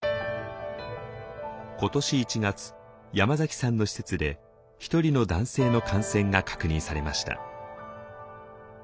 今年１月山崎さんの施設で１人の男性の感染が確認されました。